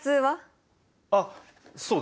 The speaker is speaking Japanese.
あっそうだね。